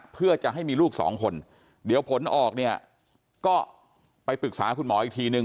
เพื่อจะให้มีลูกสองคนเดี๋ยวผลออกเนี่ยก็ไปปรึกษาคุณหมออีกทีนึง